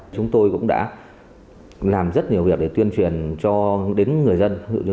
chúng tôi cũng đã làm rất nhiều việc để tuyên truyền cho đến người dân